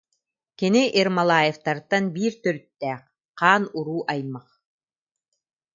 Кини Ермолаевтартан биир төрүттээх, хаан уруу аймах